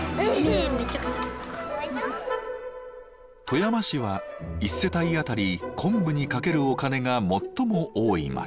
富山市は１世帯当たり昆布にかけるお金が最も多い町。